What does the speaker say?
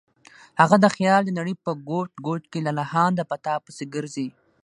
هغه د خیال د نړۍ په ګوټ ګوټ کې لالهانده په تا پسې ګرځي.